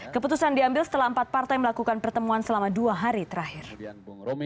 keputusan diambil setelah empat partai melakukan pertemuan selama dua hari terakhir